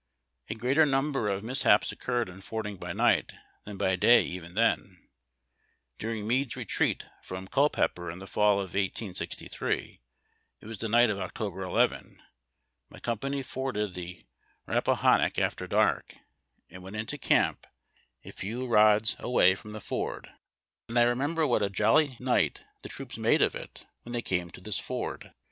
A greater number of mis haps occurred in fording by night than by day even then. During Meade's retreat from Culpeper, in the fall of 1863, — it was the night of October 11, — my company forded the Rappahannock after dark, and went into camp a few rods BREAKING CAMP. — ON THE MARCH. 345 away from tlie ford ; and I remember what a jolly night the troops made of it when they came to this ford.